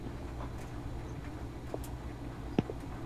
正式注册的幼儿园也必须遵守政府所立下的条规。